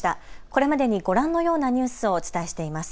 これまでにご覧のようなニュースをお伝えしています。